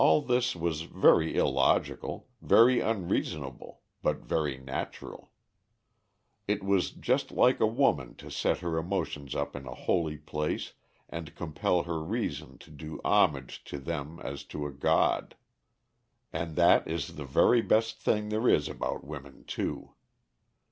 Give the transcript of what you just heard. All this was very illogical very unreasonable, but very natural. It was "just like a woman" to set her emotions up in a holy place and compel her reason to do homage to them as to a god. And that is the very best thing there is about women, too.